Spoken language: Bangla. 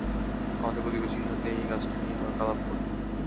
আমাদের প্রতিবেশীর সাথে এই গাছটা নিয়ে হালকা আলাপ করবো।